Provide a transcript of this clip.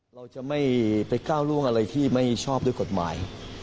เราจะไม่ไปก้าวล่วงอะไรที่ไม่ชอบด้วยกฎหมาย